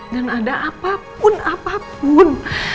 dan ada apapun apapun